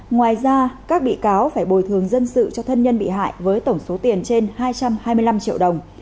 ngoài ra các bị cáo phải bồi thường dân sự cho thân nhân bị hại với tổng số tiền trên hai trăm hai mươi năm triệu đồng